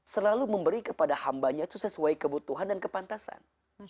selalu memberi kepada hambanya itu sesuai kebutuhan dan kepantasan